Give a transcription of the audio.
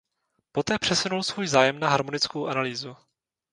Poté přesunul svůj zájem na harmonickou analýzu.